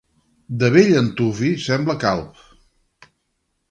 De bell antuvi semblava calb.